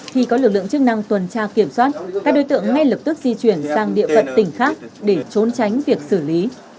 khi có lực lượng chức năng tuần tra kiểm soát các đối tượng ngay lập tức di chuyển sang địa phận tỉnh khác để trốn tránh việc xử lý